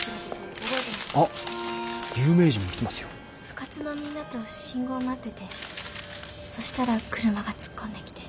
部活のみんなと信号待っててそしたら車が突っ込んできて。